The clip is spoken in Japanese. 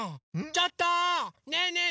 ちょっとねえねえ